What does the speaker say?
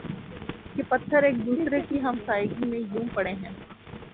یہ پتھر ایک دوسرے کی ہمسائیگی میں یوں پڑے ہیں